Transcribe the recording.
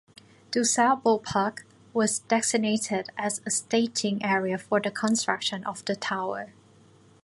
DuSable Park was designated as a staging area for the construction of the tower.